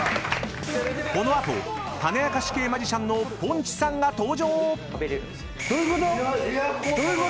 ［この後種明かし系マジシャンのポンチさんが登場！］